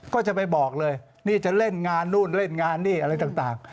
ก็จะไปบอกเลยนี่จะเล่นงานนู่นเล่นงานนี่อะไรต่าง